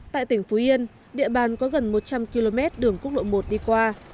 tại tỉnh phú yên địa bàn có gần một trăm linh km đường quốc lộ một đi qua